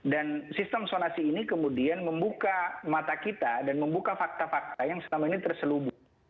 dan sistem sonasi ini kemudian membuka mata kita dan membuka fakta fakta yang selama ini terselubung